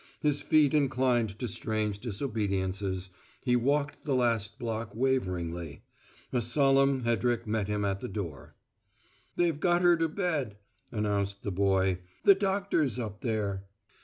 His feet inclined to strange disobediences: he walked the last block waveringly. A solemn Hedrick met him at the door. "They've got her to bed," announced the boy. "The doctor's up there."